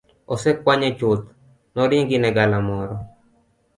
Osekwanye chuth noringi ne galamoro